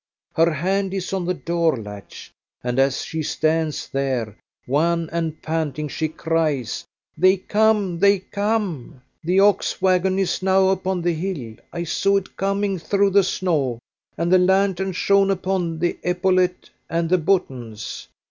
Her hand is on the door latch, and as she stands there, wan and panting, she cries, "They come! they come! The ox wagon is now upon the hill. I saw it coming through the snow, and the lantern shone upon the epaulette and the buttons."